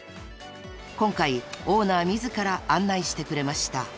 ［今回オーナー自ら案内してくれました］